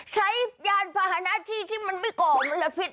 ใช้ยานภาษณาที่ที่มันไม่ก่อมละพิษ